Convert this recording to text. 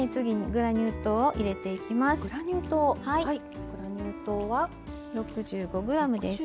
グラニュー糖は６５ｇです。